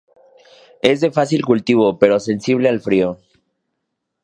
Es de fácil cultivo, pero sensible al frío.